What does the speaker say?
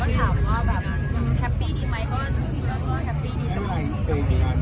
ถ้าถามว่าแบบมมแฮปปี้ดีมั้ยก็ก็ก็แฮปปี้ดีจังหรอก